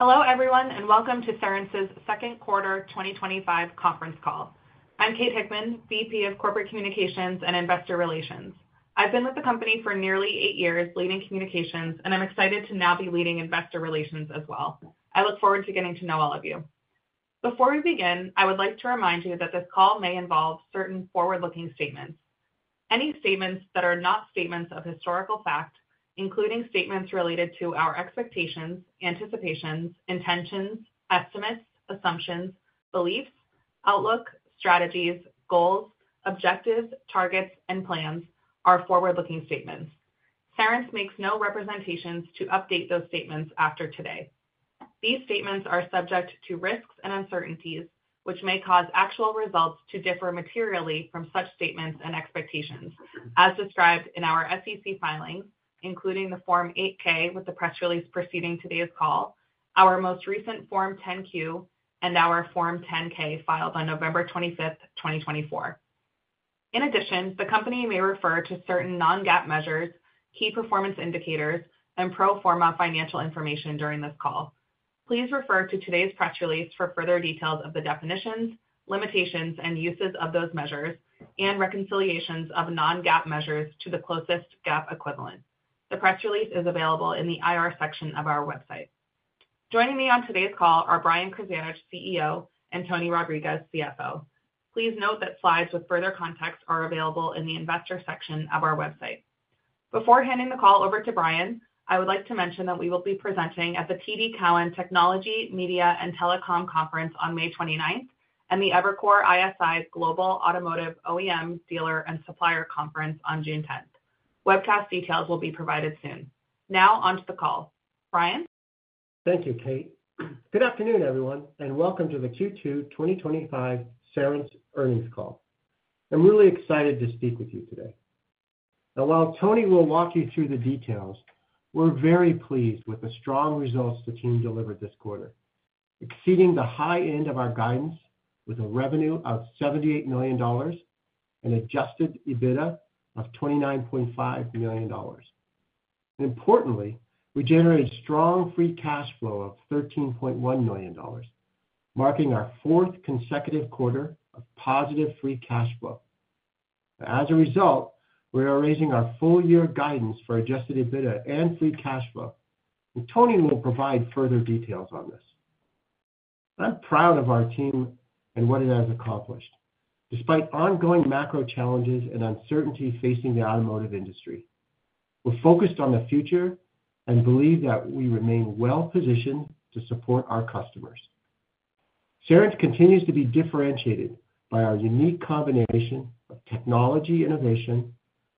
Hello everyone, and welcome to Cerence's Second Quarter 2025 Conference Call. I'm Kate Hickman, VP of Corporate Communications and Investor Relations. I've been with the company for nearly eight years, leading communications, and I'm excited to now be leading investor relations as well. I look forward to getting to know all of you. Before we begin, I would like to remind you that this call may involve certain forward-looking statements. Any statements that are not statements of historical fact, including statements related to our expectations, anticipations, intentions, estimates, assumptions, beliefs, outlook, strategies, goals, objectives, targets, and plans, are forward-looking statements. Cerence makes no representations to update those statements after today. These statements are subject to risks and uncertainties, which may cause actual results to differ materially from such statements and expectations, as described in our SEC filings, including the Form 8K with the press release preceding today's call, our most recent Form 10Q, and our Form 10K filed on November 25th, 2024. In addition, the company may refer to certain non-GAAP measures, key performance indicators, and pro forma financial information during this call. Please refer to today's press release for further details of the definitions, limitations, and uses of those measures, and reconciliations of non-GAAP measures to the closest GAAP equivalent. The press release is available in the IR section of our website. Joining me on today's call are Brian Krzanich, CEO, and Tony Rodriguez, CFO. Please note that slides with further context are available in the investor section of our website. Before handing the call over to Brian, I would like to mention that we will be presenting at the TD Cowen Technology, Media, and Telecom Conference on May 29 and the Evercore ISI Global Automotive OEM Dealer and Supplier Conference on June 10. Webcast details will be provided soon. Now on to the call. Brian? Thank you, Kate. Good afternoon, everyone, and welcome to the Q2 2025 Cerence Earnings Call. I'm really excited to speak with you today. While Tony will walk you through the details, we're very pleased with the strong results the team delivered this quarter, exceeding the high end of our guidance with a revenue of $78 million and adjusted EBITDA of $29.5 million. Importantly, we generated strong free cash flow of $13.1 million, marking our fourth consecutive quarter of positive free cash flow. As a result, we are raising our full-year guidance for adjusted EBITDA and free cash flow, and Tony will provide further details on this. I'm proud of our team and what it has accomplished. Despite ongoing macro challenges and uncertainty facing the automotive industry, we're focused on the future and believe that we remain well-positioned to support our customers. Cerence continues to be differentiated by our unique combination of technology innovation,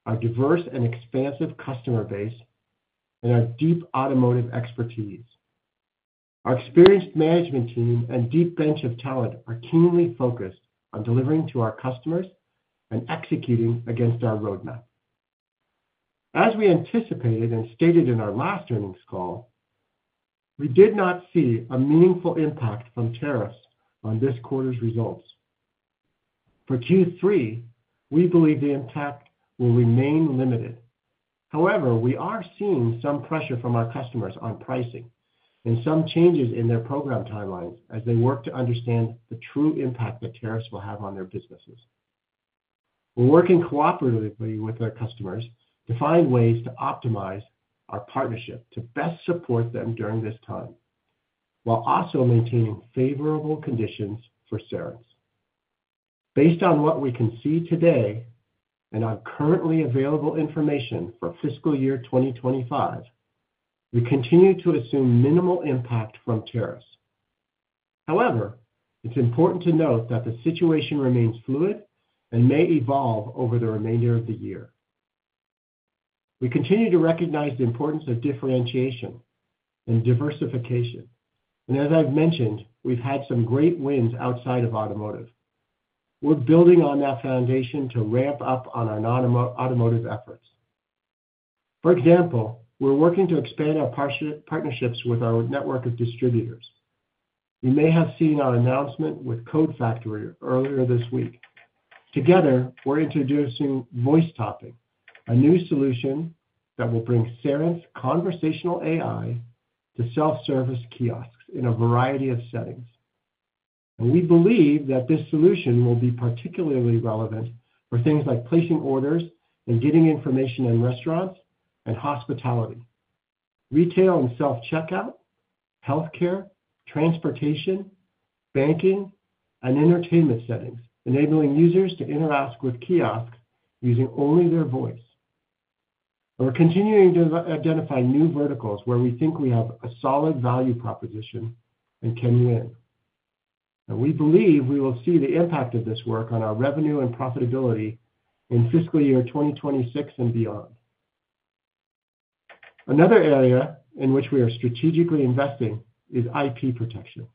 our diverse and expansive customer base, and our deep automotive expertise. Our experienced management team and deep bench of talent are keenly focused on delivering to our customers and executing against our roadmap. As we anticipated and stated in our last earnings call, we did not see a meaningful impact from tariffs on this quarter's results. For Q3, we believe the impact will remain limited. However, we are seeing some pressure from our customers on pricing and some changes in their program timelines as they work to understand the true impact that tariffs will have on their businesses. We're working cooperatively with our customers to find ways to optimize our partnership to best support them during this time, while also maintaining favorable conditions for Cerence. Based on what we can see today and on currently available information for fiscal year 2025, we continue to assume minimal impact from tariffs. However, it's important to note that the situation remains fluid and may evolve over the remainder of the year. We continue to recognize the importance of differentiation and diversification, and as I've mentioned, we've had some great wins outside of automotive. We're building on that foundation to ramp up on our automotive efforts. For example, we're working to expand our partnerships with our network of distributors. You may have seen our announcement with Code Factory earlier this week. Together, we're introducing VoiceTopping, a new solution that will bring Cerence conversational AI to self-service kiosks in a variety of settings. We believe that this solution will be particularly relevant for things like placing orders and getting information in restaurants and hospitality, retail and self-checkout, healthcare, transportation, banking, and entertainment settings, enabling users to interact with kiosks using only their voice. We're continuing to identify new verticals where we think we have a solid value proposition and can win. We believe we will see the impact of this work on our revenue and profitability in fiscal year 2026 and beyond. Another area in which we are strategically investing is IP protection.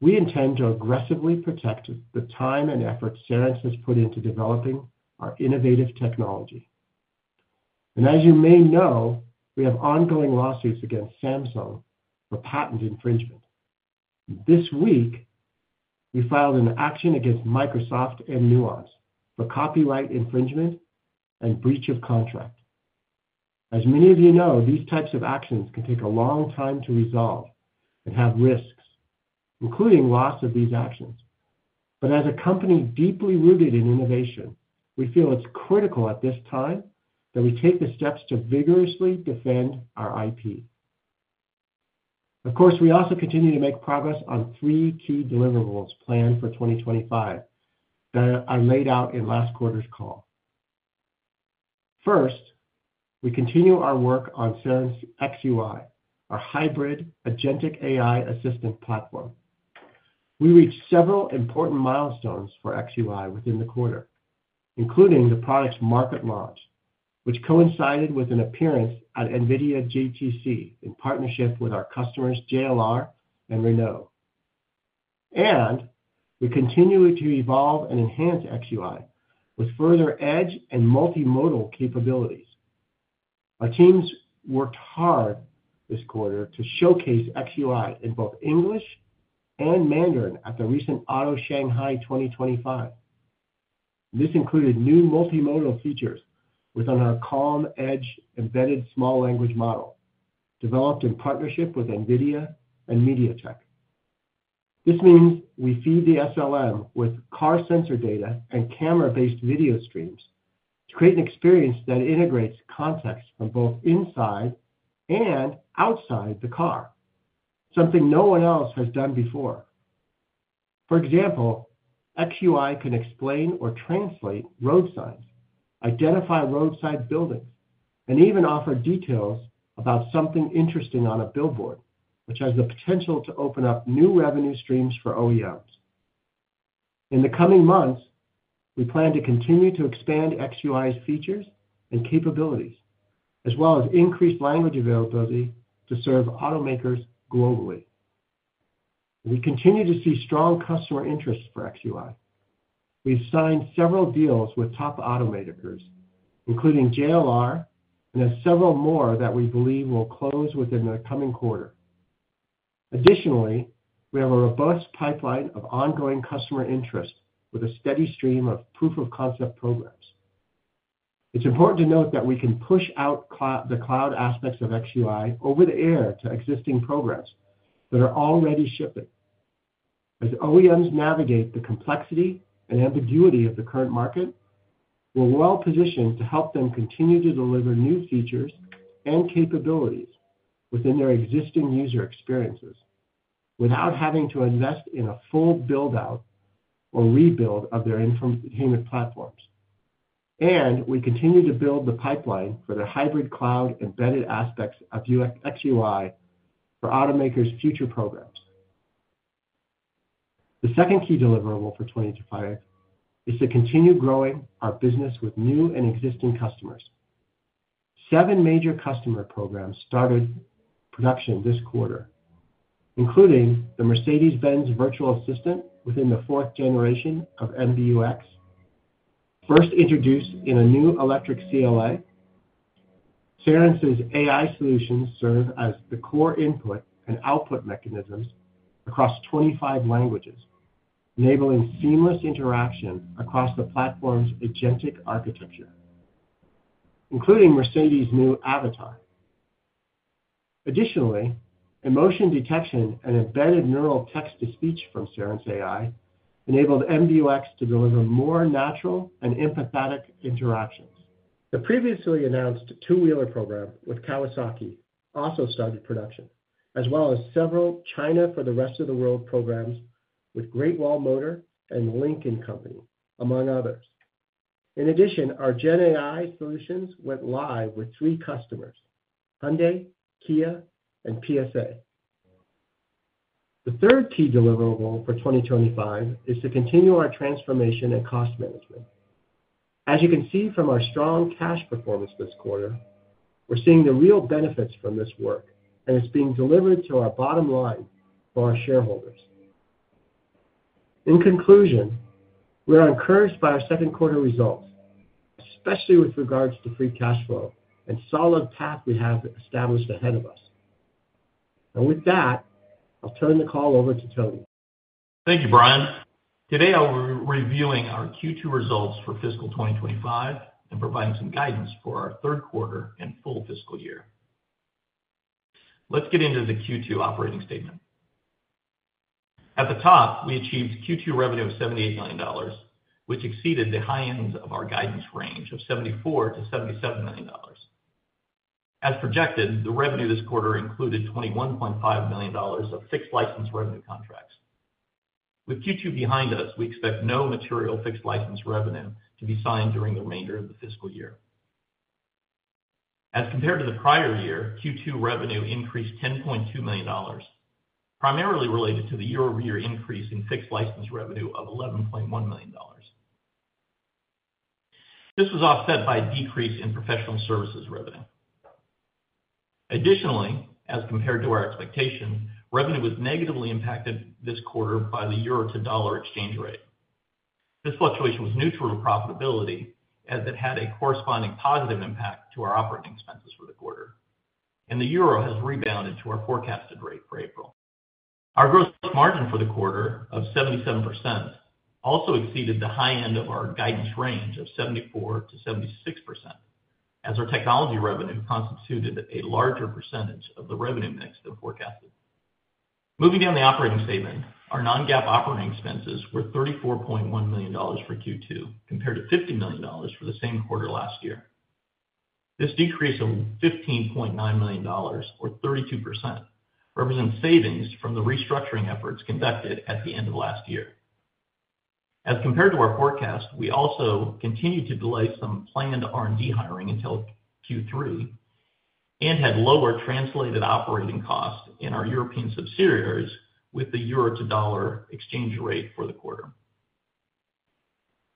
We intend to aggressively protect the time and effort Cerence has put into developing our innovative technology. As you may know, we have ongoing lawsuits against Samsung for patent infringement. This week, we filed an action against Microsoft and Nuance for copyright infringement and breach of contract. As many of you know, these types of actions can take a long time to resolve and have risks, including loss of these actions. As a company deeply rooted in innovation, we feel it's critical at this time that we take the steps to vigorously defend our IP. Of course, we also continue to make progress on three key deliverables planned for 2025 that are laid out in last quarter's call. First, we continue our work on Cerence xUI, our hybrid agentic AI assistant platform. We reached several important milestones for xUI within the quarter, including the product's market launch, which coincided with an appearance at NVIDIA GTC in partnership with our customers JLR and Renault. We continue to evolve and enhance xUI with further edge and multimodal capabilities. Our teams worked hard this quarter to showcase xUI in both English and Mandarin at the recent Auto Shanghai 2025. This included new multimodal features within our CaLLm Edge embedded small language model developed in partnership with NVIDIA and MediaTek. This means we feed the SLM with car sensor data and camera-based video streams to create an experience that integrates context from both inside and outside the car, something no one else has done before. For example, xUI can explain or translate road signs, identify roadside buildings, and even offer details about something interesting on a billboard, which has the potential to open up new revenue streams for OEMs. In the coming months, we plan to continue to expand xUI's features and capabilities, as well as increase language availability to serve automakers globally. We continue to see strong customer interest for xUI. We've signed several deals with top automakers, including JLR, and have several more that we believe will close within the coming quarter. Additionally, we have a robust pipeline of ongoing customer interest with a steady stream of proof of concept programs. It's important to note that we can push out the cloud aspects of xUI over the air to existing programs that are already shipping. As OEMs navigate the complexity and ambiguity of the current market, we're well-positioned to help them continue to deliver new features and capabilities within their existing user experiences without having to invest in a full build-out or rebuild of their infotainment platforms. We continue to build the pipeline for the hybrid cloud embedded aspects of xUI for automakers' future programs. The second key deliverable for 2025 is to continue growing our business with new and existing customers. Seven major customer programs started production this quarter, including the Mercedes-Benz Virtual Assistant within the fourth generation of MBUX, first introduced in a new electric CLA. Cerence's AI solutions serve as the core input and output mechanisms across 25 languages, enabling seamless interaction across the platform's agentic architecture, including Mercedes' new Avatar. Additionally, emotion detection and embedded neural text-to-speech from Cerence AI enabled MBUX to deliver more natural and empathetic interactions. The previously announced two-wheeler program with Kawasaki also started production, as well as several China for the Rest of the World programs with Great Wall Motor and Lincoln, among others. In addition, our Gen AI solutions went live with three customers: Hyundai, Kia, and PSA. The third key deliverable for 2025 is to continue our transformation and cost management. As you can see from our strong cash performance this quarter, we're seeing the real benefits from this work, and it's being delivered to our bottom line for our shareholders. In conclusion, we are encouraged by our second quarter results, especially with regards to free cash flow and solid path we have established ahead of us. With that, I'll turn the call over to Tony. Thank you, Brian. Today, I'll be reviewing our Q2 results for fiscal 2025 and providing some guidance for our third quarter and full fiscal year. Let's get into the Q2 operating statement. At the top, we achieved Q2 revenue of $78 million, which exceeded the high end of our guidance range of $74-$77 million. As projected, the revenue this quarter included $21.5 million of fixed license revenue contracts. With Q2 behind us, we expect no material fixed license revenue to be signed during the remainder of the fiscal year. As compared to the prior year, Q2 revenue increased $10.2 million, primarily related to the year-over-year increase in fixed license revenue of $11.1 million. This was offset by a decrease in professional services revenue. Additionally, as compared to our expectation, revenue was negatively impacted this quarter by the euro to dollar exchange rate. This fluctuation was neutral to profitability, as it had a corresponding positive impact to our operating expenses for the quarter, and the euro has rebounded to our forecasted rate for April. Our gross margin for the quarter of 77% also exceeded the high end of our guidance range of 74%-76%, as our technology revenue constituted a larger percentage of the revenue mix than forecasted. Moving down the operating statement, our non-GAAP operating expenses were $34.1 million for Q2, compared to $50 million for the same quarter last year. This decrease of $15.9 million, or 32%, represents savings from the restructuring efforts conducted at the end of last year. As compared to our forecast, we also continued to delay some planned R&D hiring until Q3 and had lower translated operating costs in our European subsidiaries with the euro to dollar exchange rate for the quarter.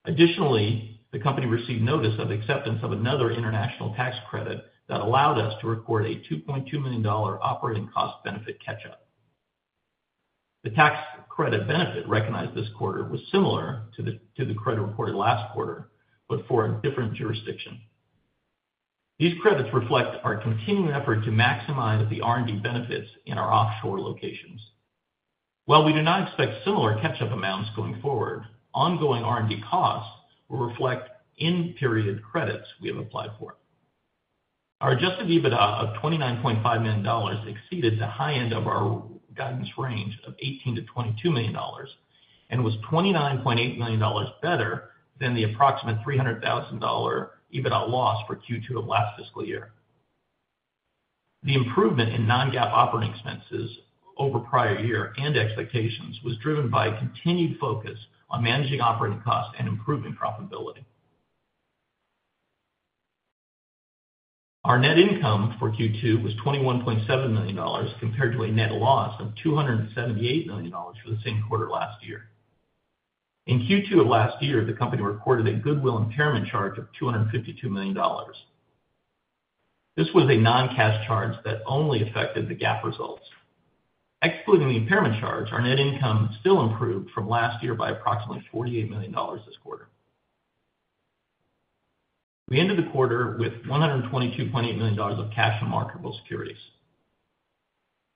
Additionally, the company received notice of acceptance of another international tax credit that allowed us to record a $2.2 million operating cost benefit catch-up. The tax credit benefit recognized this quarter was similar to the credit reported last quarter, but for a different jurisdiction. These credits reflect our continuing effort to maximize the R&D benefits in our offshore locations. While we do not expect similar catch-up amounts going forward, ongoing R&D costs will reflect in-period credits we have applied for. Our adjusted EBITDA of $29.5 million exceeded the high end of our guidance range of $18-$22 million and was $29.8 million better than the approximate $300,000 EBITDA loss for Q2 of last fiscal year. The improvement in non-GAAP operating expenses over prior year and expectations was driven by continued focus on managing operating costs and improving profitability. Our net income for Q2 was $21.7 million compared to a net loss of $278 million for the same quarter last year. In Q2 of last year, the company recorded a goodwill impairment charge of $252 million. This was a non-cash charge that only affected the GAAP results. Excluding the impairment charge, our net income still improved from last year by approximately $48 million this quarter. We ended the quarter with $122.8 million of cash and marketable securities,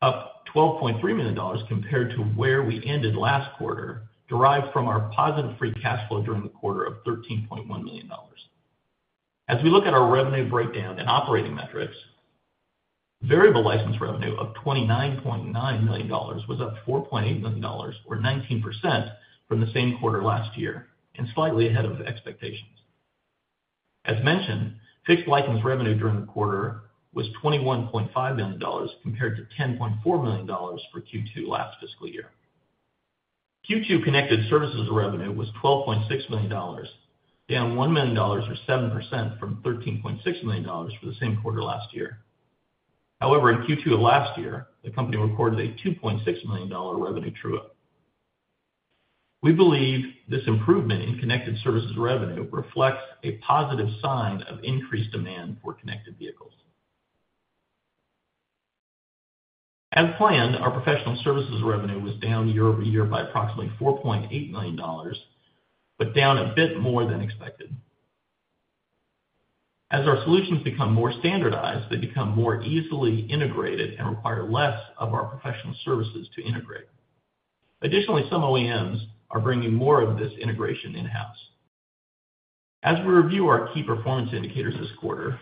up $12.3 million compared to where we ended last quarter, derived from our positive free cash flow during the quarter of $13.1 million. As we look at our revenue breakdown and operating metrics, variable license revenue of $29.9 million was up $4.8 million, or 19% from the same quarter last year, and slightly ahead of expectations. As mentioned, fixed license revenue during the quarter was $21.5 million compared to $10.4 million for Q2 last fiscal year. Q2 connected services revenue was $12.6 million, down $1 million, or 7% from $13.6 million for the same quarter last year. However, in Q2 of last year, the company recorded a $2.6 million revenue true-up. We believe this improvement in connected services revenue reflects a positive sign of increased demand for connected vehicles. As planned, our professional services revenue was down year-over-year by approximately $4.8 million, but down a bit more than expected. As our solutions become more standardized, they become more easily integrated and require less of our professional services to integrate. Additionally, some OEMs are bringing more of this integration in-house. As we review our key performance indicators this quarter,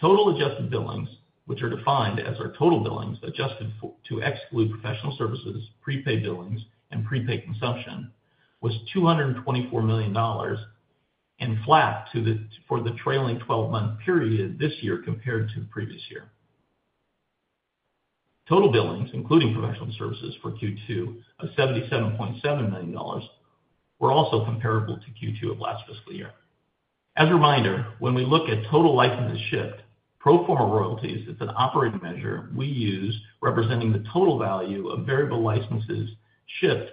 total adjusted billings, which are defined as our total billings adjusted to exclude professional services, prepaid billings, and prepaid consumption, was $224 million and flat for the trailing 12-month period this year compared to the previous year. Total billings, including professional services for Q2 of $77.7 million, were also comparable to Q2 of last fiscal year. As a reminder, when we look at total licenses shipped, pro forma royalties is an operating measure we use representing the total value of variable licenses shipped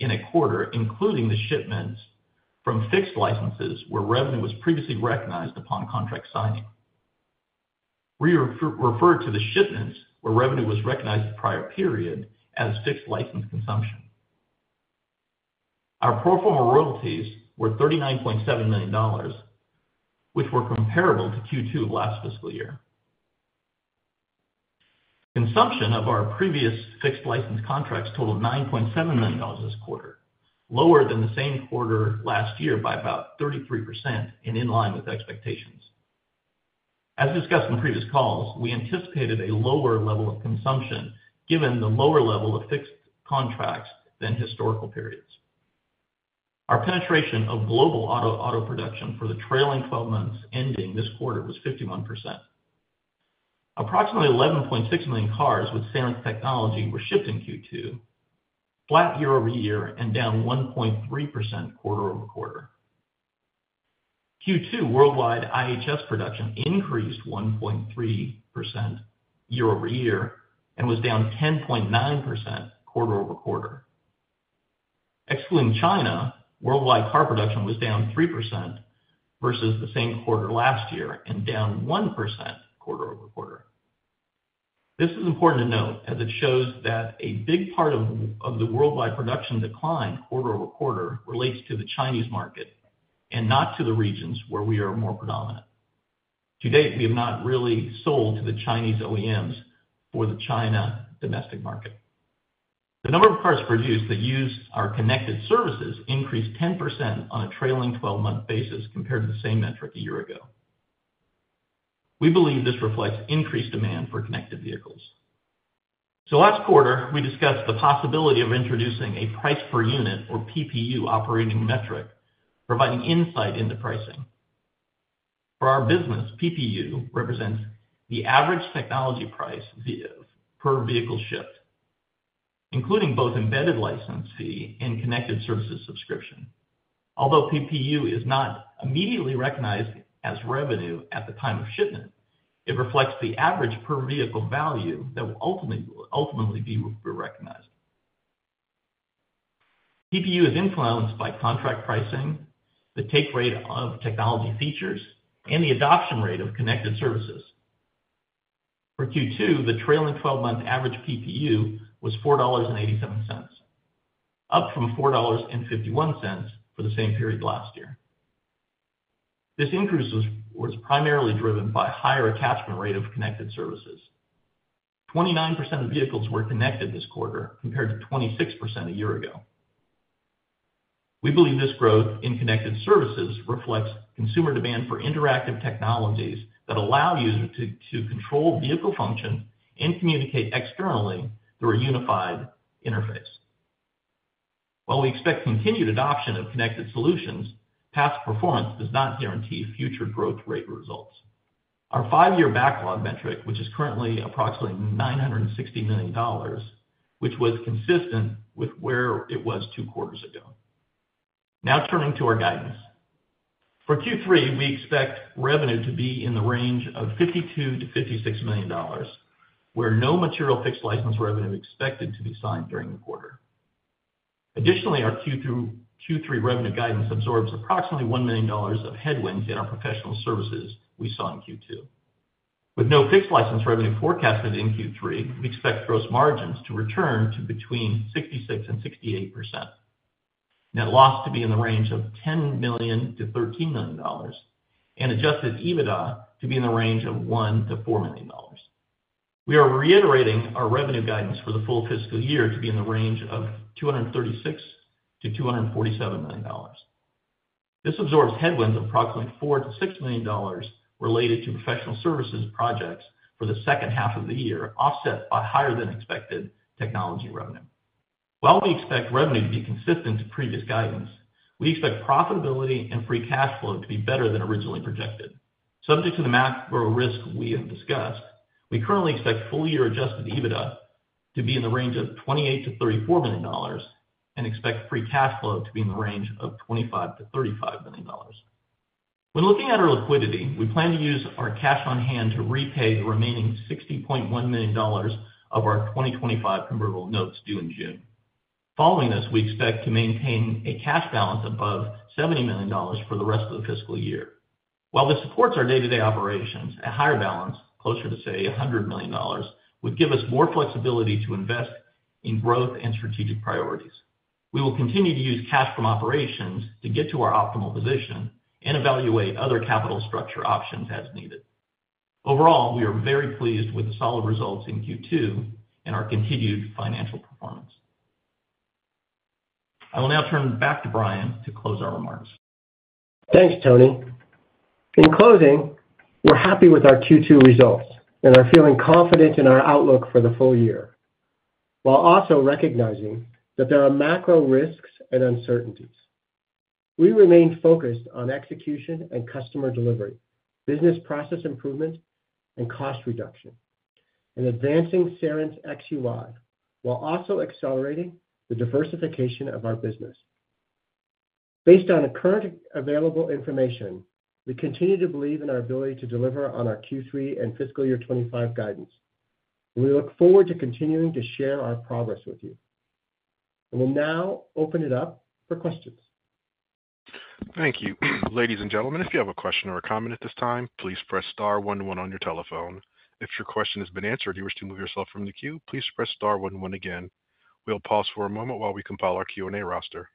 in a quarter, including the shipments from fixed licenses where revenue was previously recognized upon contract signing. We refer to the shipments where revenue was recognized the prior period as fixed license consumption. Our pro forma royalties were $39.7 million, which were comparable to Q2 of last fiscal year. Consumption of our previous fixed license contracts totaled $9.7 million this quarter, lower than the same quarter last year by about 33% and in line with expectations. As discussed in previous calls, we anticipated a lower level of consumption given the lower level of fixed contracts than historical periods. Our penetration of global auto production for the trailing 12 months ending this quarter was 51%. Approximately 11.6 million cars with Cerence Technology were shipped in Q2, flat year-over-year and down 1.3% quarter-over-quarter. Q2 worldwide IHS production increased 1.3% year-over-year and was down 10.9% quarter-over-quarter. Excluding China, worldwide car production was down 3% versus the same quarter last year and down 1% quarter-over-quarter. This is important to note as it shows that a big part of the worldwide production decline quarter-over-quarter relates to the Chinese market and not to the regions where we are more predominant. To date, we have not really sold to the Chinese OEMs for the China domestic market. The number of cars produced that use our connected services increased 10% on a trailing 12-month basis compared to the same metric a year ago. We believe this reflects increased demand for connected vehicles. Last quarter, we discussed the possibility of introducing a price per unit, or PPU, operating metric, providing insight into pricing. For our business, PPU represents the average technology price per vehicle shipped, including both embedded license fee and connected services subscription. Although PPU is not immediately recognized as revenue at the time of shipment, it reflects the average per vehicle value that will ultimately be recognized. PPU is influenced by contract pricing, the take rate of technology features, and the adoption rate of connected services. For Q2, the trailing 12-month average PPU was $4.87, up from $4.51 for the same period last year. This increase was primarily driven by higher attachment rate of connected services. 29% of vehicles were connected this quarter compared to 26% a year ago. We believe this growth in connected services reflects consumer demand for interactive technologies that allow users to control vehicle function and communicate externally through a unified interface. While we expect continued adoption of connected solutions, past performance does not guarantee future growth rate results. Our five-year backlog metric, which is currently approximately $960 million, was consistent with where it was two quarters ago. Now turning to our guidance. For Q3, we expect revenue to be in the range of $52-$56 million, with no material fixed license revenue expected to be signed during the quarter. Additionally, our Q3 revenue guidance absorbs approximately $1 million of headwinds in our professional services we saw in Q2. With no fixed license revenue forecasted in Q3, we expect gross margins to return to between 66-68%, net loss to be in the range of $10 million-$13 million, and adjusted EBITDA to be in the range of $1-$4 million. We are reiterating our revenue guidance for the full fiscal year to be in the range of $236 million-$247 million. This absorbs headwinds of approximately $4-$6 million related to professional services projects for the second half of the year, offset by higher-than-expected technology revenue. While we expect revenue to be consistent to previous guidance, we expect profitability and free cash flow to be better than originally projected. Subject to the macro risk we have discussed, we currently expect full-year adjusted EBITDA to be in the range of $28 million-$34 million and expect free cash flow to be in the range of $25 million-$35 million. When looking at our liquidity, we plan to use our cash on hand to repay the remaining $60.1 million of our 2025 convertible notes due in June. Following this, we expect to maintain a cash balance above $70 million for the rest of the fiscal year. While this supports our day-to-day operations, a higher balance, closer to, say, $100 million, would give us more flexibility to invest in growth and strategic priorities. We will continue to use cash from operations to get to our optimal position and evaluate other capital structure options as needed. Overall, we are very pleased with the solid results in Q2 and our continued financial performance. I will now turn back to Brian to close our remarks. Thanks, Tony. In closing, we're happy with our Q2 results and are feeling confident in our outlook for the full year, while also recognizing that there are macro risks and uncertainties. We remain focused on execution and customer delivery, business process improvement, and cost reduction, and advancing Cerence xUI, while also accelerating the diversification of our business. Based on the current available information, we continue to believe in our ability to deliver on our Q3 and fiscal year 2025 guidance. We look forward to continuing to share our progress with you. I will now open it up for questions. Thank you. Ladies and gentlemen, if you have a question or a comment at this time, please press star one one on your telephone. If your question has been answered and you wish to remove yourself from the queue, please press star one one again. We'll pause for a moment while we compile our Q&A roster.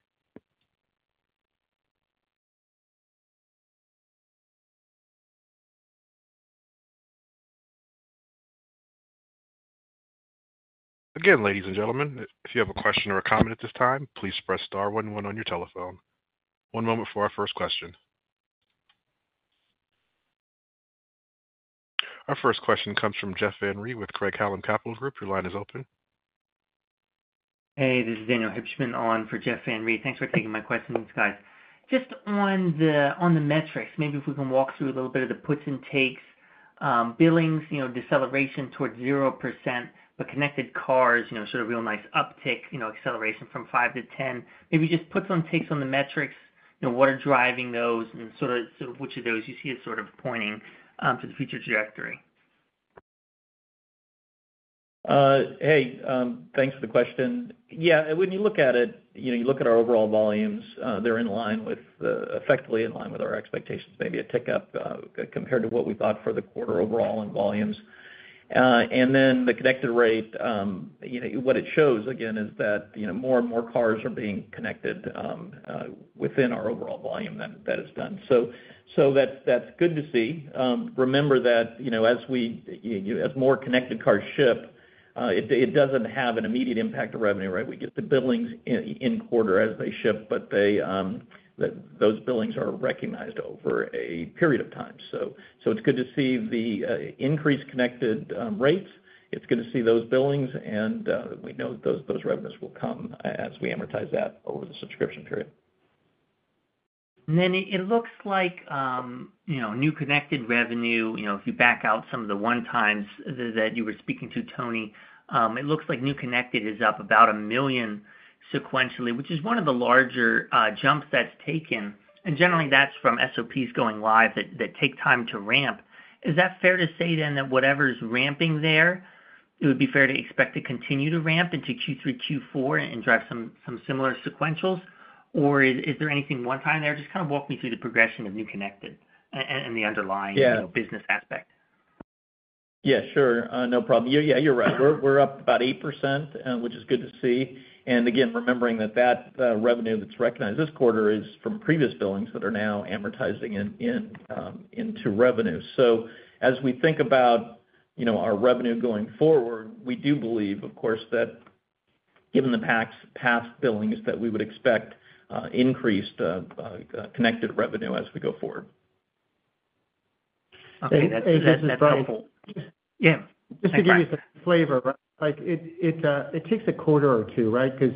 Again, ladies and gentlemen, if you have a question or a comment at this time, please press star one one on your telephone. One moment for our first question. Our first question comes from Jeffrey Van Rhee with Craig-Hallum Capital Group. Your line is open. Hey, this is Daniel Hibshman on for Jeff Van Rhee. Thanks for taking my questions, guys. Just on the metrics, maybe if we can walk through a little bit of the puts and takes. Billings, deceleration towards 0%, but connected cars, sort of real nice uptick, acceleration from 5% to 10%. Maybe just puts and takes on the metrics, what are driving those, and sort of which of those you see as sort of pointing to the future trajectory. Hey, thanks for the question. Yeah, when you look at it, you look at our overall volumes, they're in line with, effectively in line with our expectations, maybe a tick up compared to what we thought for the quarter overall in volumes. The connected rate, what it shows, again, is that more and more cars are being connected within our overall volume that is done. That's good to see. Remember that as more connected cars ship, it doesn't have an immediate impact on revenue. We get the billings in quarter as they ship, but those billings are recognized over a period of time. It's good to see the increased connected rates. It's good to see those billings, and we know those revenues will come as we amortize that over the subscription period. It looks like new connected revenue, if you back out some of the one times that you were speaking to, Tony, it looks like new connected is up about $1 million sequentially, which is one of the larger jumps that's taken. Generally, that's from SOPs going live that take time to ramp. Is that fair to say then that whatever's ramping there, it would be fair to expect to continue to ramp into Q3, Q4 and drive some similar sequentials? Or is there anything one time there? Just kind of walk me through the progression of new connected and the underlying business aspect. Yeah, sure. No problem. Yeah, you're right. We're up about 8%, which is good to see. Again, remembering that that revenue that's recognized this quarter is from previous billings that are now amortizing into revenue. As we think about our revenue going forward, we do believe, of course, that given the past billings that we would expect increased connected revenue as we go forward. Okay, that's helpful. Yeah. Just to give you some flavor, it takes a quarter or two, right? Because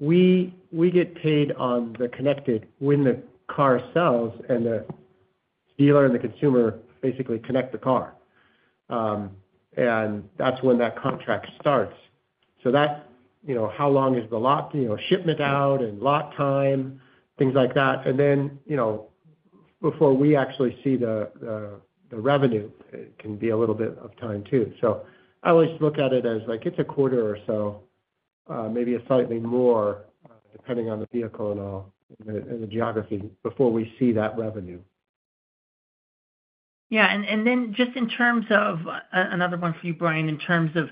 we get paid on the connected when the car sells and the dealer and the consumer basically connect the car. That is when that contract starts. How long is the shipment out and lot time, things like that. Then before we actually see the revenue, it can be a little bit of time too. I always look at it as it is a quarter or so, maybe slightly more depending on the vehicle and the geography before we see that revenue. Yeah. And then just in terms of another one for you, Brian, in terms of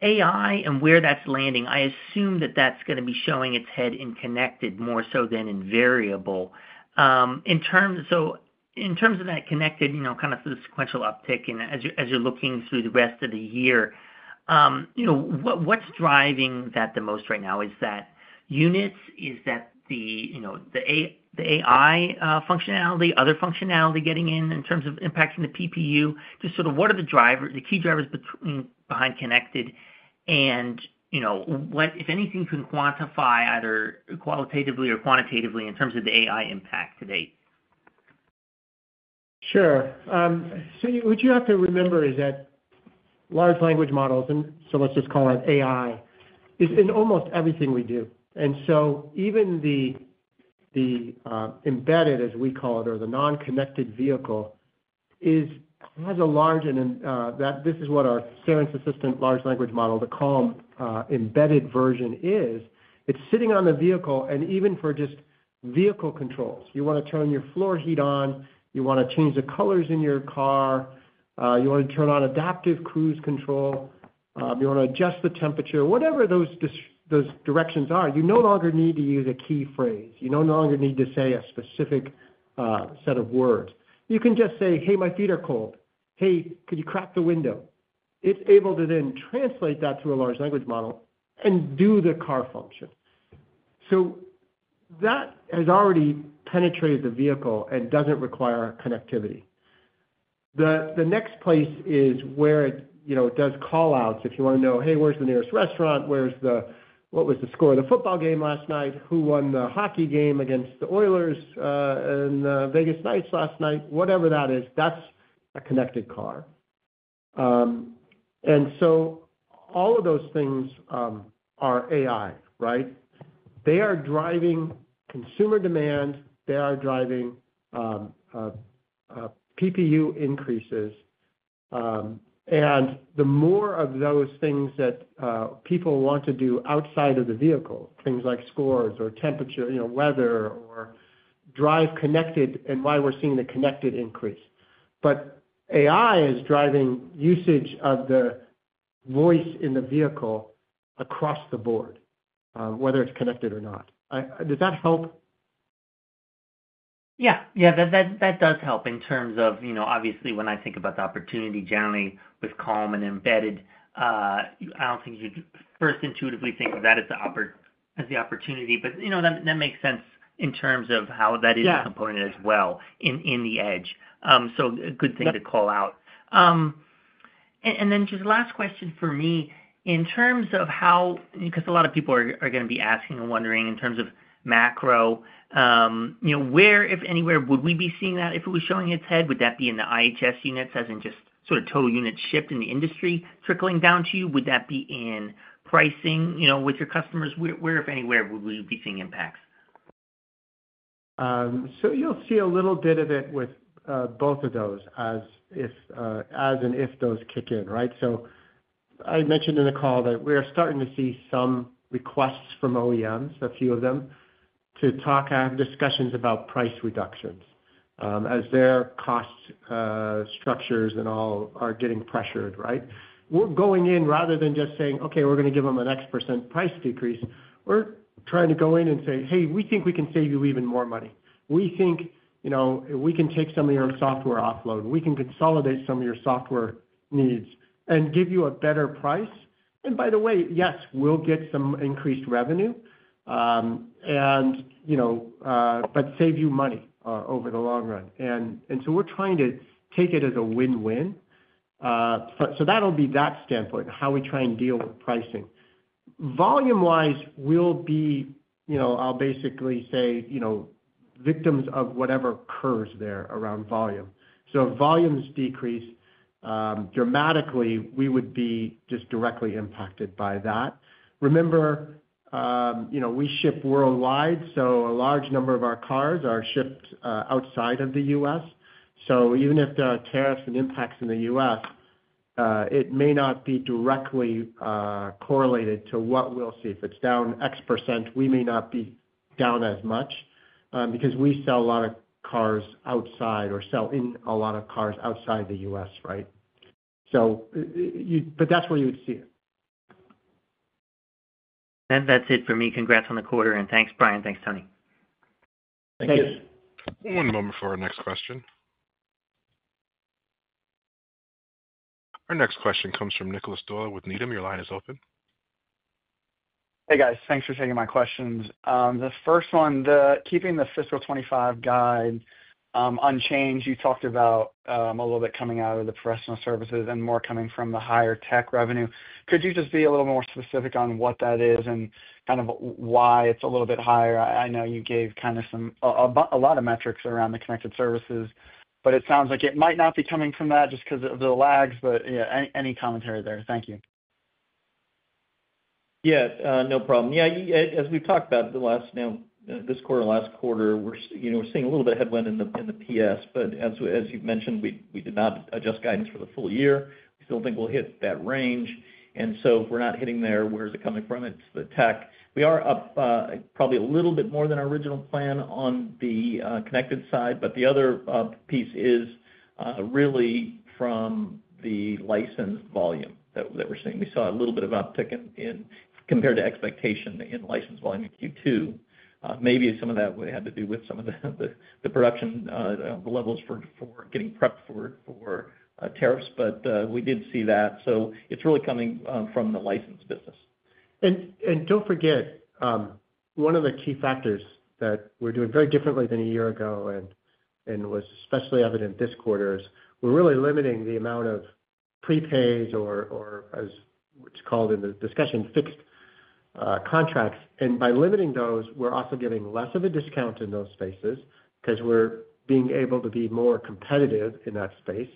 AI and where that's landing, I assume that that's going to be showing its head in connected more so than in variable. In terms of that connected, kind of through the sequential uptick and as you're looking through the rest of the year, what's driving that the most right now? Is that units? Is that the AI functionality, other functionality getting in in terms of impacting the PPU? Just sort of what are the key drivers behind connected? And if anything, you can quantify either qualitatively or quantitatively in terms of the AI impact today. Sure. What you have to remember is that large language models, and let's just call it AI, is in almost everything we do. Even the embedded, as we call it, or the non-connected vehicle has a large—and this is what our Cerence Assistant large language model, the CaLLm embedded version is—it's sitting on the vehicle. Even for just vehicle controls, you want to turn your floor heat on, you want to change the colors in your car, you want to turn on adaptive cruise control, you want to adjust the temperature, whatever those directions are, you no longer need to use a key phrase. You no longer need to say a specific set of words. You can just say, "Hey, my feet are cold. Hey, could you crack the window? It's able to then translate that to a large language model and do the car function. That has already penetrated the vehicle and doesn't require connectivity. The next place is where it does callouts if you want to know, "Hey, where's the nearest restaurant? What was the score of the football game last night? Who won the hockey game against the Oilers and the Vegas Knights last night?" Whatever that is, that's a connected car. All of those things are AI, right? They are driving consumer demand. They are driving PPU increases. The more of those things that people want to do outside of the vehicle, things like scores or temperature, weather, or drive connected, and why we're seeing the connected increase. AI is driving usage of the voice in the vehicle across the board, whether it's connected or not. Does that help? Yeah. Yeah, that does help in terms of, obviously, when I think about the opportunity generally with CaLLm and embedded, I do not think you would first intuitively think of that as the opportunity. That makes sense in terms of how that is a component as well in the edge. A good thing to call out. Just last question for me, in terms of how—because a lot of people are going to be asking and wondering in terms of macro, where, if anywhere, would we be seeing that? If it was showing its head, would that be in the IHS units as in just sort of total units shipped in the industry trickling down to you? Would that be in pricing with your customers? Where, if anywhere, would we be seeing impacts? You'll see a little bit of it with both of those as in if those kick in, right? I mentioned in the call that we're starting to see some requests from OEMs, a few of them, to talk and have discussions about price reductions as their cost structures and all are getting pressured, right? We're going in rather than just saying, "Okay, we're going to give them an X% price decrease." We're trying to go in and say, "Hey, we think we can save you even more money. We think we can take some of your software offload. We can consolidate some of your software needs and give you a better price." By the way, yes, we'll get some increased revenue, but save you money over the long run. We're trying to take it as a win-win. That'll be that standpoint, how we try and deal with pricing. Volume-wise, I'll basically say, victims of whatever curves there are around volume. If volumes decrease dramatically, we would be just directly impacted by that. Remember, we ship worldwide, so a large number of our cars are shipped outside of the U.S. Even if there are tariffs and impacts in the U.S., it may not be directly correlated to what we'll see. If it's down X%, we may not be down as much because we sell a lot of cars outside the U.S., right? That's where you would see it. That is it for me. Congrats on the quarter. Thanks, Brian. Thanks, Tony. Thanks. Thanks. One moment for our next question. Our next question comes from Nicholas Doyle with Needham. Your line is open. Hey, guys. Thanks for taking my questions. The first one, keeping the Fiscal 2025 guide unchanged, you talked about a little bit coming out of the professional services and more coming from the higher tech revenue. Could you just be a little more specific on what that is and kind of why it's a little bit higher? I know you gave kind of a lot of metrics around the connected services, but it sounds like it might not be coming from that just because of the lags. Yeah, any commentary there? Thank you. Yeah, no problem. Yeah, as we've talked about this quarter, last quarter, we're seeing a little bit of headwind in the PS. As you've mentioned, we did not adjust guidance for the full year. We still think we'll hit that range. If we're not hitting there, where is it coming from? It's the tech. We are up probably a little bit more than our original plan on the connected side. The other piece is really from the license volume that we're seeing. We saw a little bit of uptick compared to expectation in license volume in Q2. Maybe some of that would have to do with some of the production levels for getting prepped for tariffs. We did see that. It's really coming from the license business. Do not forget, one of the key factors that we are doing very differently than a year ago and was especially evident this quarter is we are really limiting the amount of prepays or, as it is called in the discussion, fixed contracts. By limiting those, we are also giving less of a discount in those spaces because we are being able to be more competitive in that space.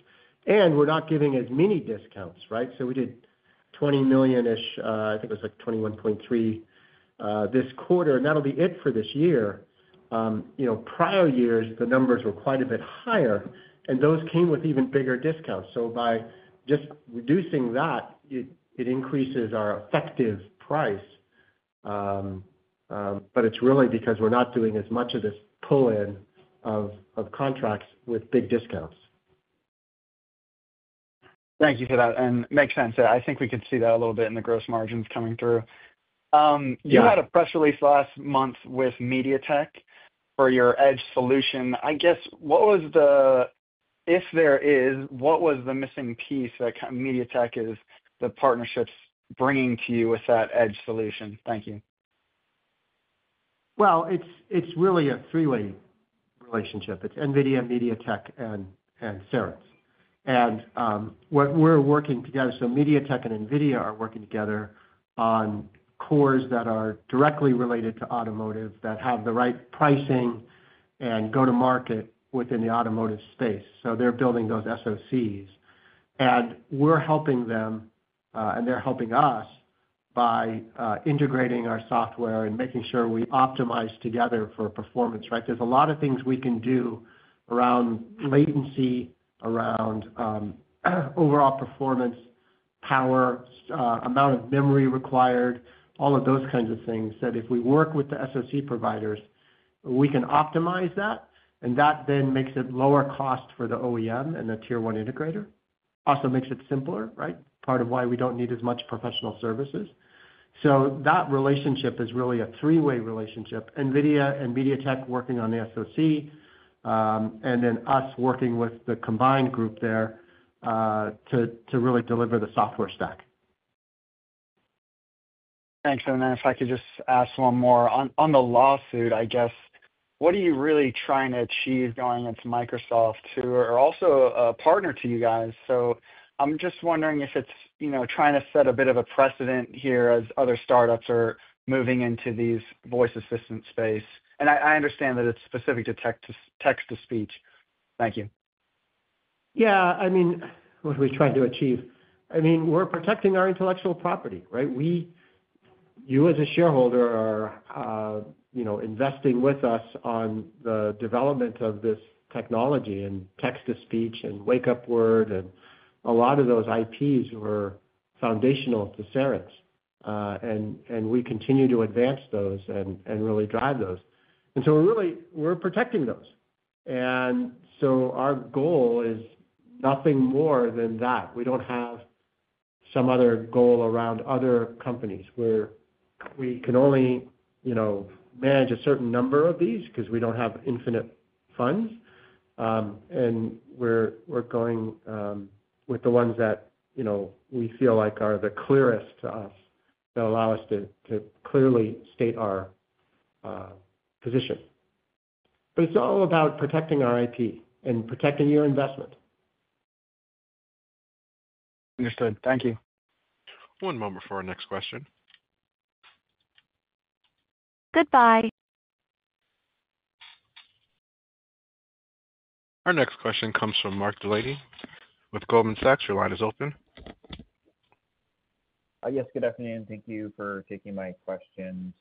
We are not giving as many discounts, right? We did $20 million-ish, I think it was like $21.3 million this quarter, and that will be it for this year. Prior years, the numbers were quite a bit higher, and those came with even bigger discounts. By just reducing that, it increases our effective price. It is really because we are not doing as much of this pull-in of contracts with big discounts. Thank you for that. That makes sense. I think we could see that a little bit in the gross margins coming through. You had a press release last month with MediaTek for your edge solution. I guess, if there is, what was the missing piece that MediaTek is the partnership's bringing to you with that edge solution? Thank you. It is really a three-way relationship. It is NVIDIA, MediaTek, and Cerence. What we are working together—MediaTek and NVIDIA are working together on cores that are directly related to automotive that have the right pricing and go-to-market within the automotive space. They are building those SOCs. We are helping them, and they are helping us by integrating our software and making sure we optimize together for performance, right? There are a lot of things we can do around latency, around overall performance, power, amount of memory required, all of those kinds of things that if we work with the SOC providers, we can optimize that. That then makes it lower cost for the OEM and the tier-one integrator. It also makes it simpler, right? Part of why we do not need as much professional services. That relationship is really a three-way relationship: NVIDIA and MediaTek working on the SOC, and then us working with the combined group there to really deliver the software stack. Thanks. If I could just ask one more on the lawsuit, I guess, what are you really trying to achieve going into Microsoft too, who are also a partner to you guys? I am just wondering if it is trying to set a bit of a precedent here as other startups are moving into this voice assistant space. I understand that it is specific to text-to-speech. Thank you. Yeah. I mean, what are we trying to achieve? I mean, we're protecting our intellectual property, right? You, as a shareholder, are investing with us on the development of this technology and text-to-speech and wake-up word. A lot of those IPs were foundational to Cerence. We continue to advance those and really drive those. We are protecting those. Our goal is nothing more than that. We do not have some other goal around other companies. We can only manage a certain number of these because we do not have infinite funds. We are going with the ones that we feel like are the clearest to us that allow us to clearly state our position. It is all about protecting our IP and protecting your investment. Understood. Thank you. One moment for our next question. Goodbye. Our next question comes from Mark Delaney with Goldman Sachs. Your line is open. Yes, good afternoon. Thank you for taking my questions.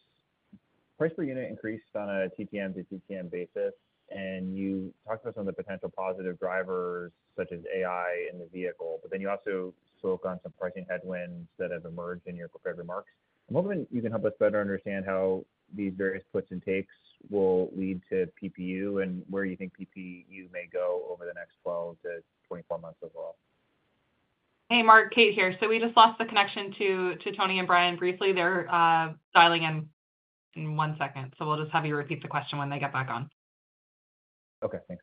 Price per unit increased on a TTM to TTM basis. You talked about some of the potential positive drivers such as AI in the vehicle. You also spoke on some pricing headwinds that have emerged in your prepared remarks. A moment you can help us better understand how these various puts and takes will lead to PPU and where you think PPU may go over the next 12 to 24 months overall. Hey, Mark. Kate here. We just lost the connection to Tony and Brian briefly. They're dialing in in one second. We'll just have you repeat the question when they get back on. Okay. Thanks.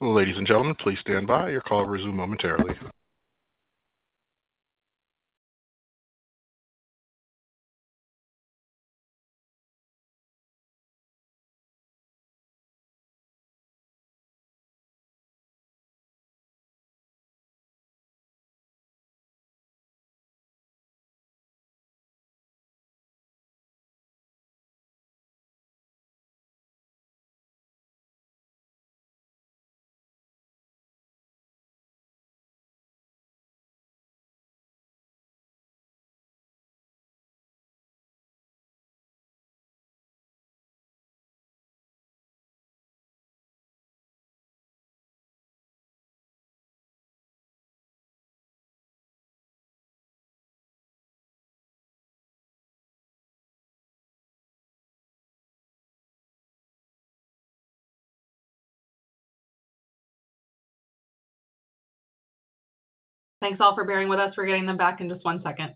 Ladies and gentlemen, please stand by. Your call will resume momentarily. Thanks all for bearing with us. We're getting them back in just one second.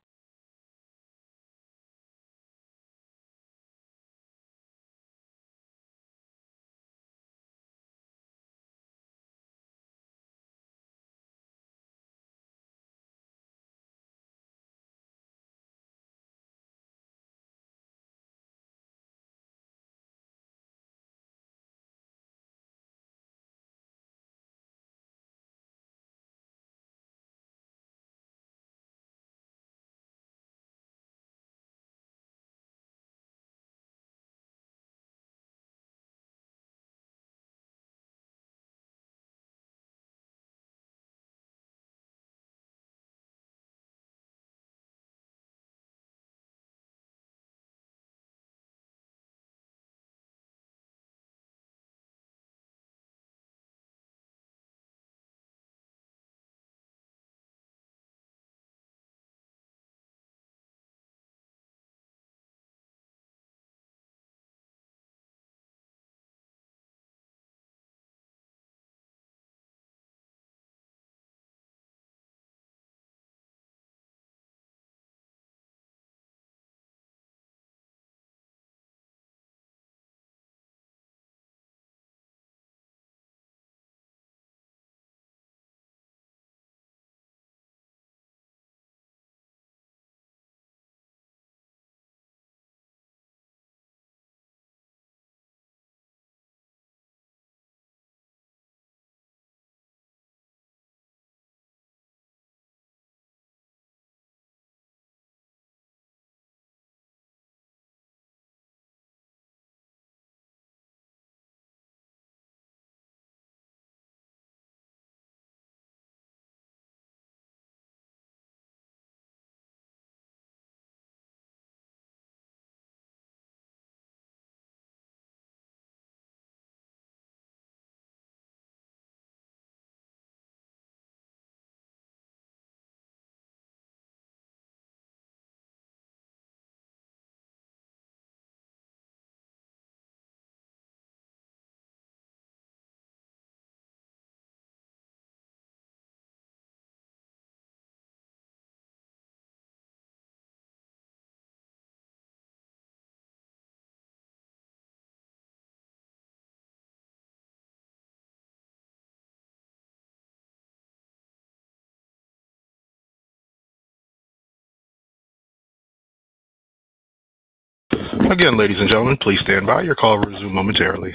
Again, ladies and gentlemen, please stand by. Your call will resume momentarily.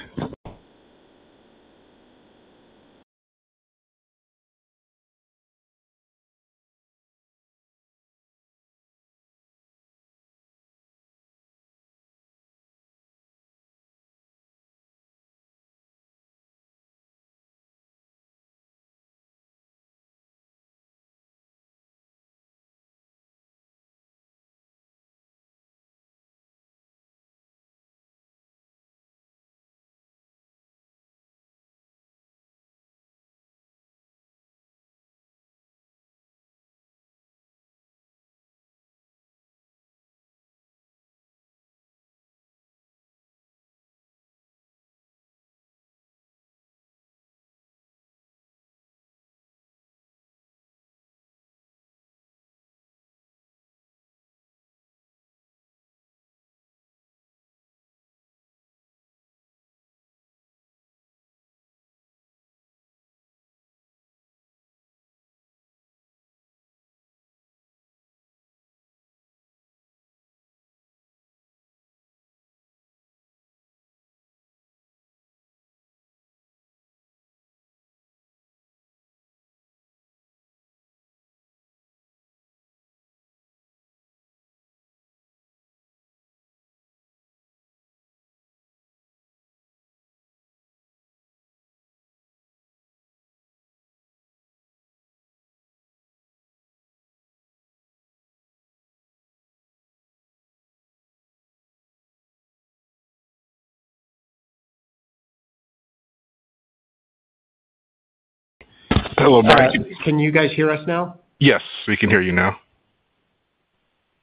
Can you guys hear us now? Yes, we can hear you now.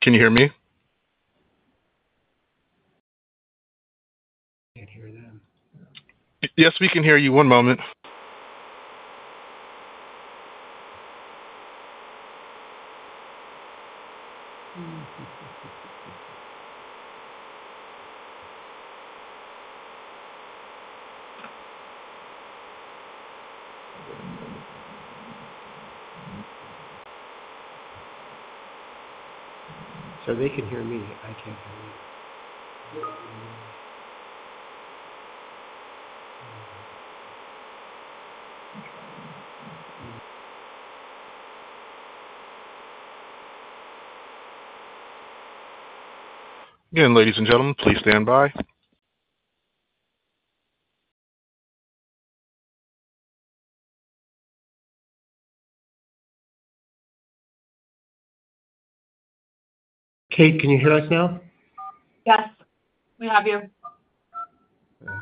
Can you hear me? Can't hear them. Yes, we can hear you. One moment. Give them a moment. So they can hear me. I can't hear you. Again, ladies and gentlemen, please stand by. Kate, can you hear us now? Yes, we have you. For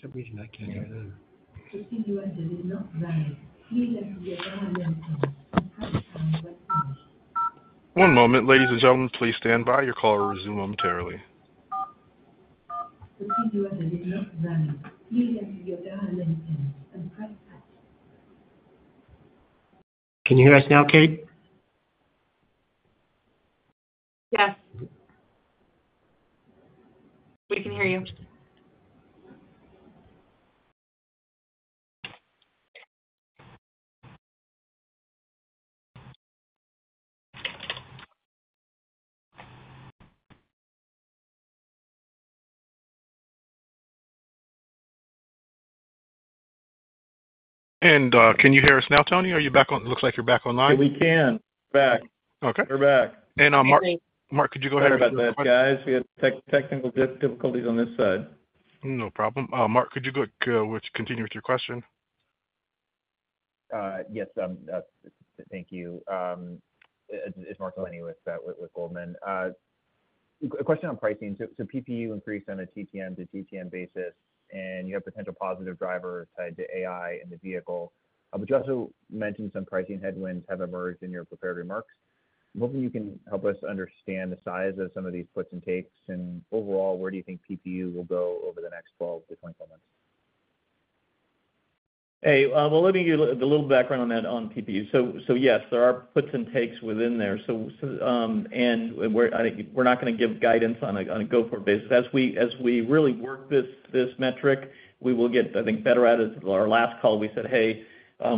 some reason, I can't hear them. One moment, ladies and gentlemen. Please stand by. Your call will resume momentarily. Can you hear us now, Kate? Yes. We can hear you. Can you hear us now, Tony? It looks like you're back online. We can. We're back. Mark, could you go ahead and. Sorry about that, guys. We had technical difficulties on this side. No problem. Mark, could you continue with your question? Yes. Thank you. It's Mark Delaney with Goldman. A question on pricing. PPU increased on a TTM to TTM basis, and you have potential positive drivers tied to AI in the vehicle. You also mentioned some pricing headwinds have emerged in your prepared remarks. I'm hoping you can help us understand the size of some of these puts and takes. Overall, where do you think PPU will go over the next 12 to 24 months? Hey, let me give you a little background on that, on PPU. Yes, there are puts and takes within there. We're not going to give guidance on a go-forward basis. As we really work this metric, we will get, I think, better at it. Our last call, we said, "Hey,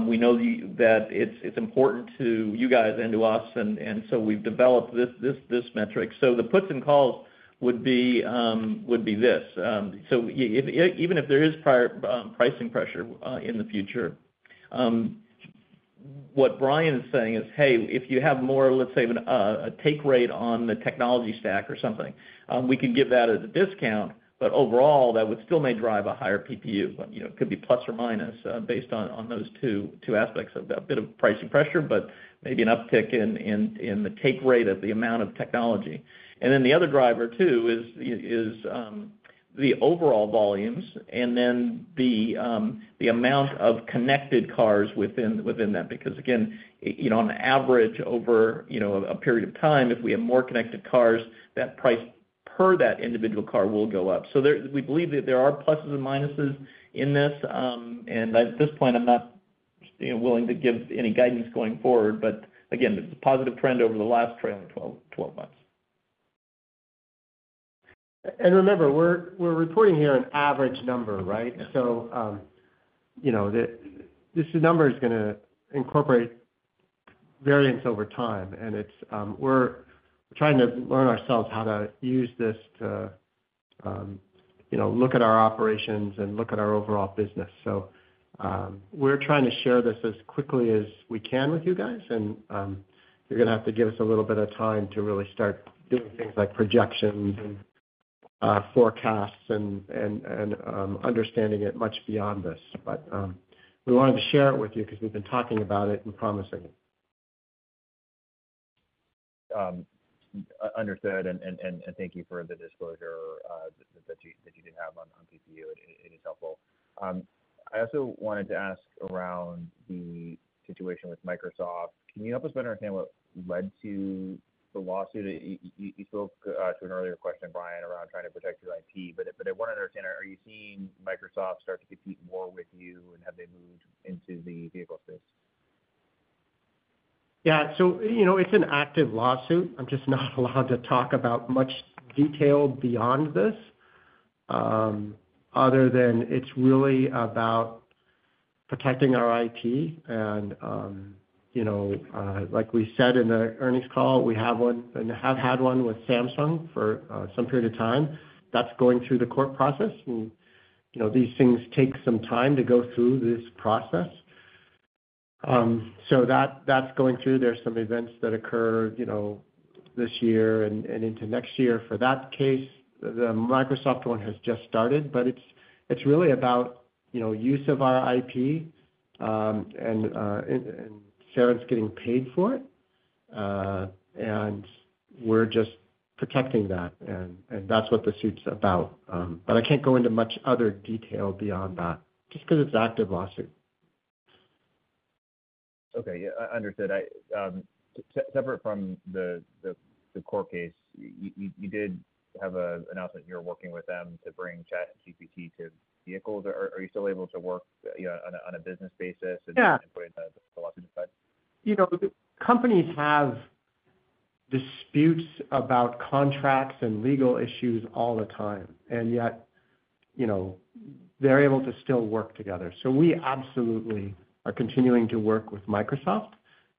we know that it's important to you guys and to us." We have developed this metric. The puts and calls would be this. Even if there is pricing pressure in the future, what Brian is saying is, "Hey, if you have more, let's say, a take rate on the technology stack or something, we can give that as a discount." Overall, that would still may drive a higher PPU. It could be plus or minus based on those two aspects of a bit of pricing pressure, but maybe an uptick in the take rate of the amount of technology. Then the other driver, too, is the overall volumes and then the amount of connected cars within that. Because again, on average, over a period of time, if we have more connected cars, that price per that individual car will go up. We believe that there are pluses and minuses in this. At this point, I'm not willing to give any guidance going forward. Again, it's a positive trend over the last trailing 12 months. Remember, we're reporting here an average number, right? This number is going to incorporate variance over time. We're trying to learn ourselves how to use this to look at our operations and look at our overall business. We're trying to share this as quickly as we can with you guys. You're going to have to give us a little bit of time to really start doing things like projections and forecasts and understanding it much beyond this. We wanted to share it with you because we've been talking about it and promising it. Understood. Thank you for the disclosure that you did have on PPU. It is helpful. I also wanted to ask around the situation with Microsoft. Can you help us better understand what led to the lawsuit? You spoke to an earlier question, Brian, around trying to protect your IP. I want to understand, are you seeing Microsoft start to compete more with you, and have they moved into the vehicle space? Yeah. So it's an active lawsuit. I'm just not allowed to talk about much detail beyond this other than it's really about protecting our IP. And like we said in the earnings call, we have one and have had one with Samsung for some period of time. That's going through the court process. These things take some time to go through this process. So that's going through. There's some events that occur this year and into next year for that case. The Microsoft one has just started. But it's really about use of our IP and Cerence getting paid for it. And we're just protecting that. And that's what the suit's about. But I can't go into much other detail beyond that just because it's an active lawsuit. Okay. Yeah. Understood. Separate from the core case, you did have an announcement you're working with them to bring ChatGPT to vehicles. Are you still able to work on a business basis and put the lawsuit aside? Companies have disputes about contracts and legal issues all the time. Yet, they're able to still work together. We absolutely are continuing to work with Microsoft.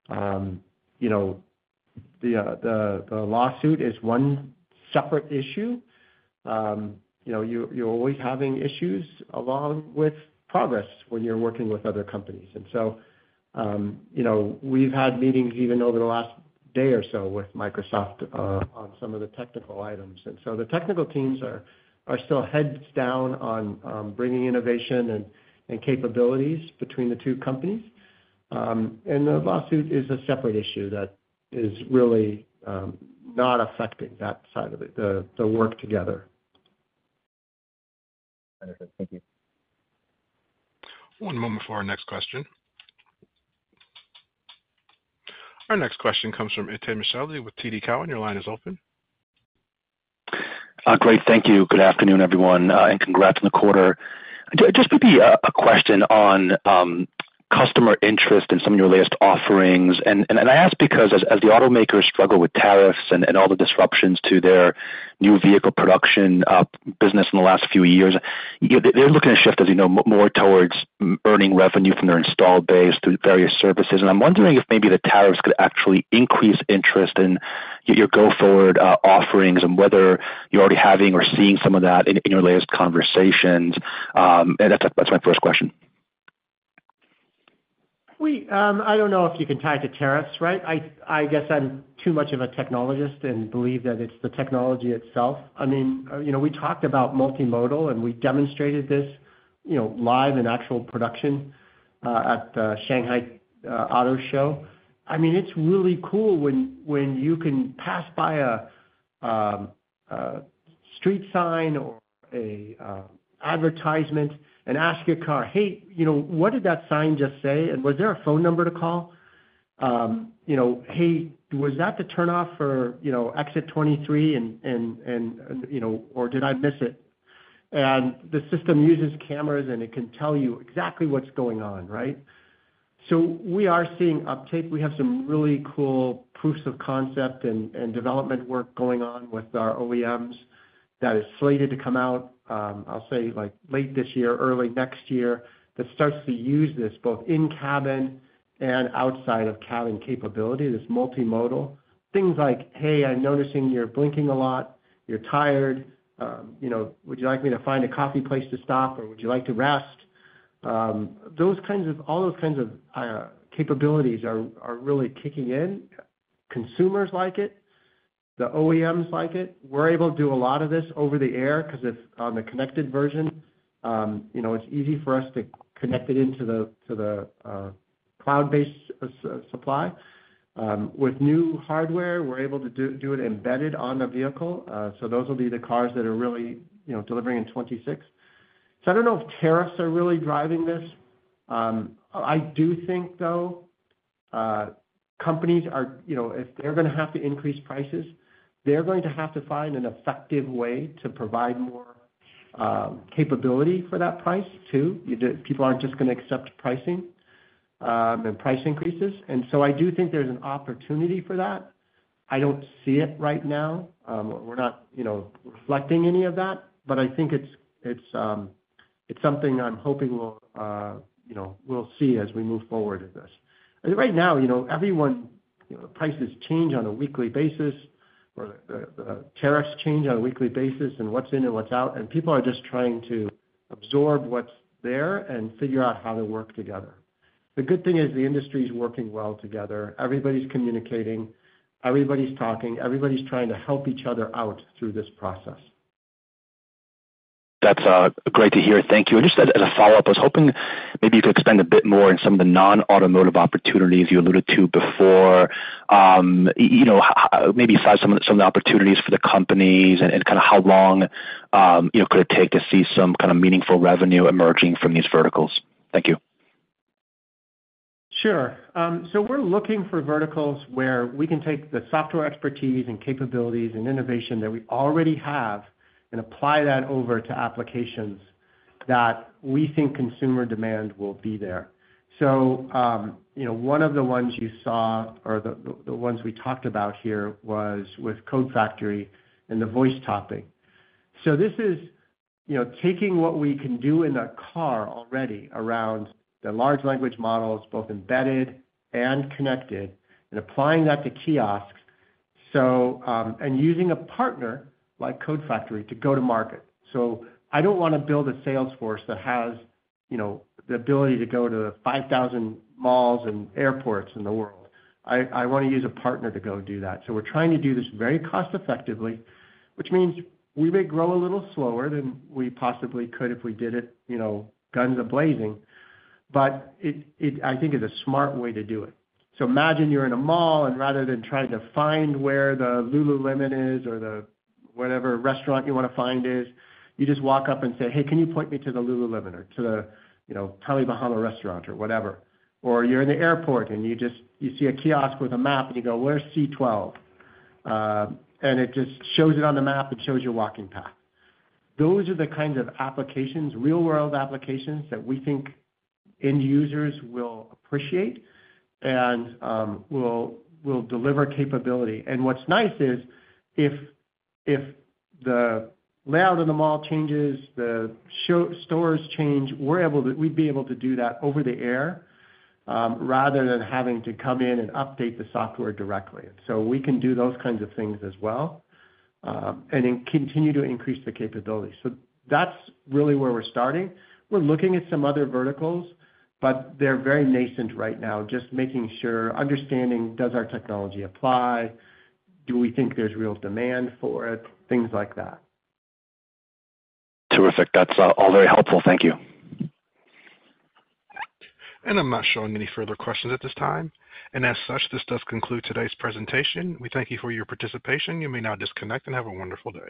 The lawsuit is one separate issue. You're always having issues along with progress when you're working with other companies. We've had meetings even over the last day or so with Microsoft on some of the technical items. The technical teams are still heads down on bringing innovation and capabilities between the two companies. The lawsuit is a separate issue that is really not affecting that side of the work together. Understood. Thank you. One moment for our next question. Our next question comes from Itay Michaeli with TD Cowen. Your line is open. Great. Thank you. Good afternoon, everyone, and congrats in the quarter. Just maybe a question on customer interest in some of your latest offerings. I ask because as the automakers struggle with tariffs and all the disruptions to their new vehicle production business in the last few years, they're looking to shift, as you know, more towards earning revenue from their installed base through various services. I'm wondering if maybe the tariffs could actually increase interest in your go-forward offerings and whether you're already having or seeing some of that in your latest conversations. That's my first question. I don't know if you can tie it to tariffs, right? I guess I'm too much of a technologist and believe that it's the technology itself. I mean, we talked about multimodal, and we demonstrated this live in actual production at the Shanghai Auto Show. I mean, it's really cool when you can pass by a street sign or an advertisement and ask your car, "Hey, what did that sign just say? And was there a phone number to call? Hey, was that the turnoff for exit 23, or did I miss it?" The system uses cameras, and it can tell you exactly what's going on, right? We are seeing uptake. We have some really cool proofs of concept and development work going on with our OEMs that is slated to come out, I'll say, late this year, early next year, that starts to use this both in-cabin and outside of cabin capability, this multimodal. Things like, "Hey, I'm noticing you're blinking a lot. You're tired. Would you like me to find a coffee place to stop, or would you like to rest?" All those kinds of capabilities are really kicking in. Consumers like it. The OEMs like it. We're able to do a lot of this over the air because on the connected version, it's easy for us to connect it into the cloud-based supply. With new hardware, we're able to do it embedded on the vehicle. Those will be the cars that are really delivering in 2026. I don't know if tariffs are really driving this. I do think, though, companies, if they're going to have to increase prices, they're going to have to find an effective way to provide more capability for that price, too. People aren't just going to accept pricing and price increases. I do think there's an opportunity for that. I don't see it right now. We're not reflecting any of that. I think it's something I'm hoping we'll see as we move forward with this. Right now, everyone's prices change on a weekly basis, or the tariffs change on a weekly basis, and what's in and what's out. People are just trying to absorb what's there and figure out how to work together. The good thing is the industry is working well together. Everybody's communicating. Everybody's talking. Everybody's trying to help each other out through this process. That's great to hear. Thank you. Just as a follow-up, I was hoping maybe you could expand a bit more on some of the non-automotive opportunities you alluded to before, maybe aside from some of the opportunities for the companies and kind of how long could it take to see some kind of meaningful revenue emerging from these verticals. Thank you. Sure. We are looking for verticals where we can take the software expertise and capabilities and innovation that we already have and apply that over to applications that we think consumer demand will be there. One of the ones you saw or the ones we talked about here was with Code Factory and the VoiceTopping. This is taking what we can do in a car already around the large language models, both embedded and connected, and applying that to kiosks and using a partner like Code Factory to go to market. I do not want to build a salesforce that has the ability to go to 5,000 malls and airports in the world. I want to use a partner to go do that. We're trying to do this very cost-effectively, which means we may grow a little slower than we possibly could if we did it guns ablazing. I think it's a smart way to do it. Imagine you're in a mall, and rather than trying to find where the Lululemon is or whatever restaurant you want to find is, you just walk up and say, "Hey, can you point me to the Lululemon or to the Tommy Bahama restaurant or whatever?" You're in the airport, and you see a kiosk with a map, and you go, "Where's C12?" It just shows it on the map and shows your walking path. Those are the kinds of applications, real-world applications, that we think end users will appreciate and will deliver capability. What's nice is if the layout of the mall changes, the stores change, we'd be able to do that over the air rather than having to come in and update the software directly. We can do those kinds of things as well and continue to increase the capability. That's really where we're starting. We're looking at some other verticals, but they're very nascent right now, just making sure, understanding, does our technology apply? Do we think there's real demand for it? Things like that. Terrific. That's all very helpful. Thank you. I am not showing any further questions at this time. As such, this does conclude today's presentation. We thank you for your participation. You may now disconnect and have a wonderful day.